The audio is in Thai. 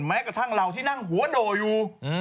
แม้กระทั่งเราที่นั่งหัวโด่อยู่